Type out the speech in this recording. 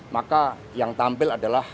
maka yang tampil adalah